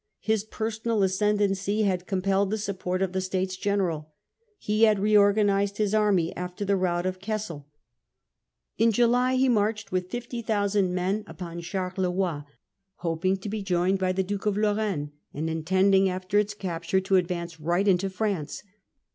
His personal ascendancy had ^ compelled the support of the States General. ance C Jf r He had reorganised his army after the rout of Wilham. Cassel. In July he marched with 50,000 men upon Charleroi, hoping to be joined by the Duke of Lorraine, and intending after its capture to advance right into France.